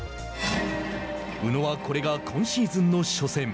宇野はこれが今シーズンの初戦。